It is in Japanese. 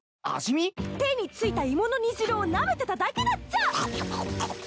手に付いた芋の煮汁をなめてただけだっちゃ。